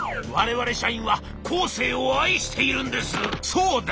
「そうだ！